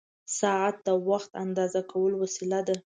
ساعت د وخت اندازه کولو وسیله ده.